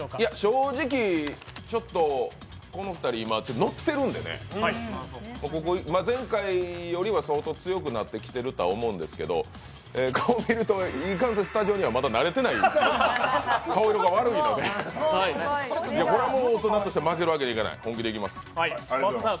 正直、ちょっとこの２人、今ノッているので、前回よりは相当強くなってきてるとは思うんですけど、顔見るといかんせん、スタジオにまだ慣れてない、顔色が悪いので、これは、負けるわけにはいきません